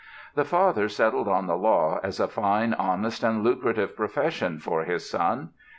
The father settled on the law as a fine, honest and lucrative profession for his son.